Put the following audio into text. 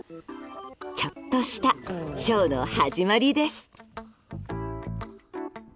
ちょっとしたショーの始まりです。